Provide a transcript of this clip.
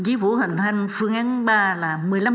chí phủ học thanh phương án ba là một mươi năm